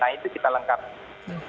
nah itu kita lengkapi